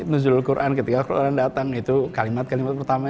nuzulul quran ketika orang datang itu kalimat kalimat pertama